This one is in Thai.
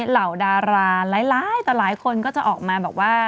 เหล่าดาราหลายต่อหลายคนก็จะออกมาแบบว่า